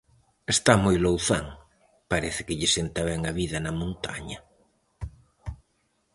Está moi louzán, parece que lle senta ben a vida na montaña.